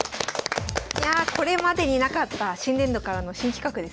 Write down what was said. これまでになかった新年度からの新企画ですね。